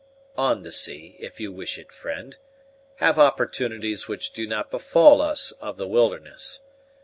"On the sea, if you wish it, friend have opportunities which do not befall us of the wilderness.